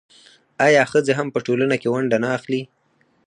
آیا ښځې هم په ټولنه کې ونډه نه اخلي؟